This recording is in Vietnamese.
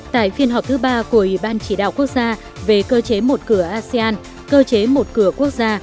tại phiên họp thứ ba của ủy ban chỉ đạo quốc gia về cơ chế một cửa asean cơ chế một cửa quốc gia